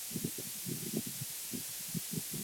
穆瓦斯维尔。